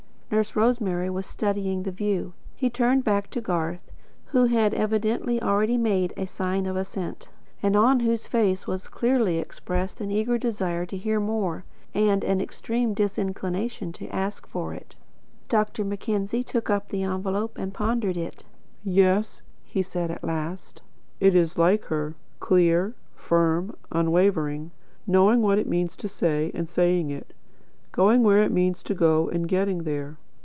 Nurse Rosemary was studying the view. He turned back to Garth, who had evidently already made a sign of assent, and on whose face was clearly expressed an eager desire to hear more, and an extreme disinclination to ask for it. Dr. Mackenzie took up the envelope and pondered it. "Yes," he said, at last, "it is like her, clear, firm, unwavering; knowing what it means to say, and saying it; going where it means to go, and getting there.